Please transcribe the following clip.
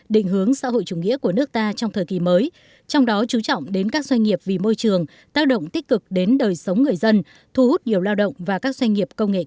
định hướng xã hội chủ nghĩa của nước ta trong thời kỳ mới trong đó chú trọng đến các doanh nghiệp vì môi trường tác động tích cực đến đời sống người dân thu hút nhiều lao động và các doanh nghiệp công nghệ cao